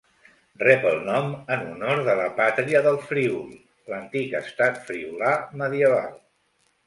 Rep el nom en honor de la Pàtria del Friül, l'antic estat friülà medieval.